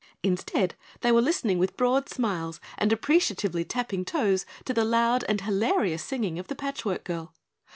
Instead, they were listening with broad smiles and appreciatively tapping toes to the loud and hilarious singing of the Patch Work Girl.